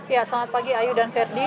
ya selamat pagi ayu dan verdi